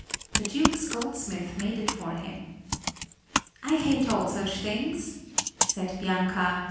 The Duke's goldsmith made it for him." "I hate all such things," said Bianca.